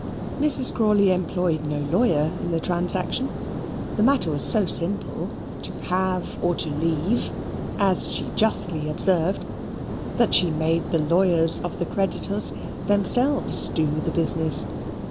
Mrs. Crawley employed no lawyer in the transaction. The matter was so simple, to have or to leave, as she justly observed, that she made the lawyers of the creditors themselves do the business.